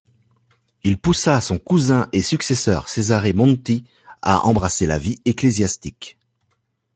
Il poussa son cousin et successeur Cesare Monti à embrasser la vie ecclésiastique.